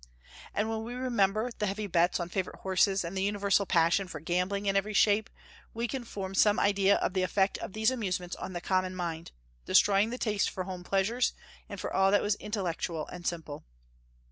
And when we remember the heavy bets on favorite horses, and the universal passion for gambling in every shape, we can form some idea of the effect of these amusements on the common mind, destroying the taste for home pleasures, and for all that was intellectual and simple.